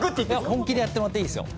本気でやってもらっていいですよ。